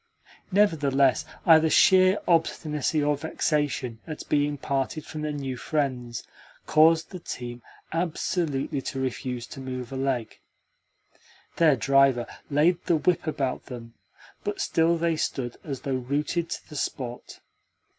Nevertheless, either sheer obstinacy or vexation at being parted from their new friends caused the strange team absolutely to refuse to move a leg. Their driver laid the whip about them, but still they stood as though rooted to the spot.